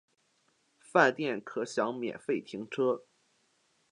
饭店可享免费停车